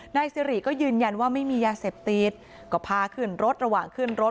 นายสิริก็ยืนยันว่าไม่มียาเสพติดก็พาขึ้นรถระหว่างขึ้นรถ